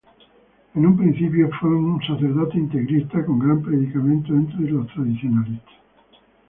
En un principio fue un sacerdote integrista, con gran predicamento entre los tradicionalistas.